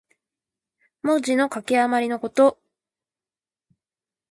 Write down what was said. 文字の書き誤りのこと。「譌」は誤りの意。「亥」と「豕」とが、字形が似ているので書き誤りやすいことから。